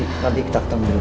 nanti kita ketemu dulu